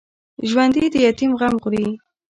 ژوندي د یتیم غم خوري